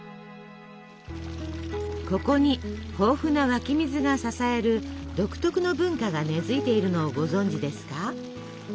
ここに豊富な湧き水が支える独特の文化が根づいているのをご存じですか？